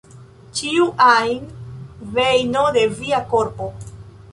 Ĉiu ajn vejno de via korpo".